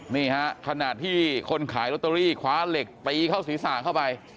นี่ฮะขณะที่คนขายลอตเตอรี่คว้าเหล็กตีเข้าศีรษะเข้าไป